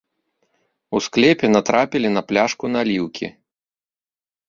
У склепе натрапілі на пляшку наліўкі.